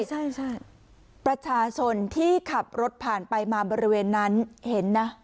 ใช่ใช่ประชาชนที่ขับรถผ่านไปมาบริเวณนั้นเห็นนะ